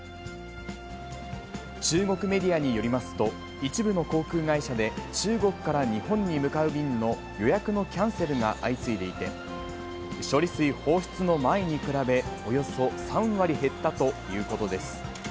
中国メディアによりますと、一部の航空会社で、中国から日本に向かう便の予約のキャンセルが相次いでいて、処理水放出の前に比べ、およそ３割減ったということです。